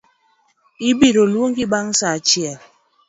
Ibiroluongi bang’ sa achiel